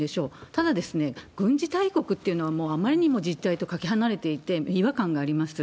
ただ、軍事大国っていうのはもうあまりにも実態とかけ離れていて、違和感があります。